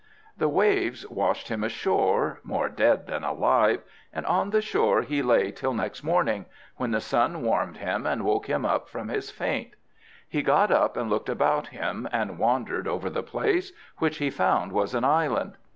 The waves washed him ashore, more dead than alive, and on the shore he lay till next morning, when the sun warmed him and woke him up from his faint. He got up and looked about him, and wandered over the place, which he found was an island.